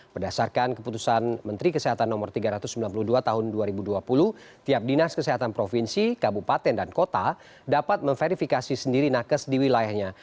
berdasarkan keputusan menteri kesehatan no tiga ratus sembilan puluh dua tahun dua ribu dua puluh tiap dinas kesehatan provinsi kabupaten dan kota dapat memverifikasi sendiri nakes di wilayahnya